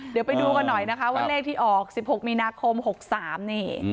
เดี๋ยวไปดูกันหน่อยนะคะว่าเลขที่ออก๑๖มีนาคม๖๓นี่